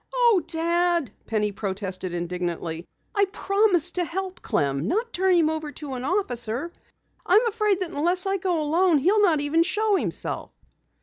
"Oh, Dad," Penny protested indignantly. "I promised to help Clem, not turn him over to an officer. I am afraid that unless I go alone, he'll not even show himself."